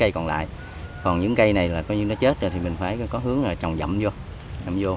coi như nó chết rồi thì mình phải có hướng trồng dậm vô